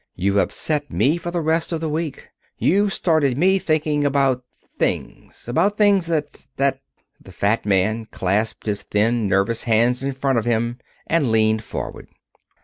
You've upset me for the rest of the week. You've started me thinking about things about things that that " The fat man clasped his thin, nervous hands in front of him and leaned forward.